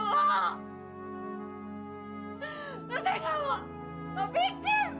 ternyata lo lo pikir